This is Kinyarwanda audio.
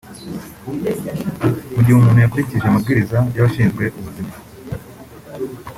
Mu gihe umuntu yakurikije amabwiriza y’abashinzwe ubuzima